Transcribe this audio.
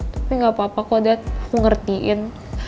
tapi gak apa apa kok dad aku ngertiin